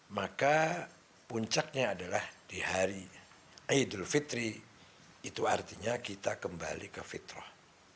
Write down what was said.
maka puncaknya adalah di hari idul fitri itu artinya kita kembali ke fitrah